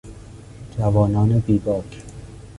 جوانان بیباک